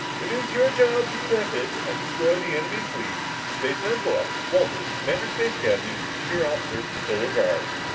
It is your job to protect it and destroy the enemy fleet. Spaceman's luck! Walters, Commander Space Academy, Senior Officer Solar Guard."